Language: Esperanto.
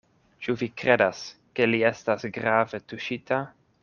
Ĉu vi kredas, ke li estas grave tuŝita?